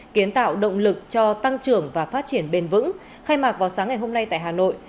kiến tạo động lực cho tăng trưởng và phát triển bền vững khai mạc vào sáng ngày hôm nay tại hà nội